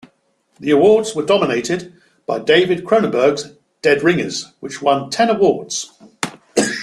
The awards were dominated by David Cronenberg's "Dead Ringers" which won ten awards.